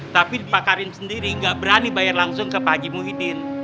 tapi pak karim sendiri gak berani bayar langsung ke pak aji muhyiddin